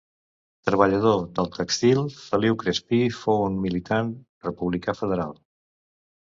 Treballador del tèxtil, Feliu Crespí fou un militant republicà federal.